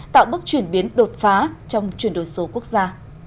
tạo bước chuyển biến đột phá trong chuyển đổi số quốc gia